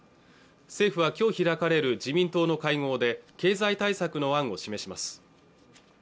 政府はきょう開かれる自民党の会合で経済対策の案を示します